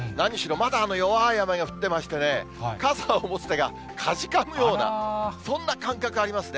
まだ弱い雨が降ってまして、傘を持つ手がかじかむような、そんな感覚ありますね。